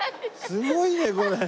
すごいねこれ。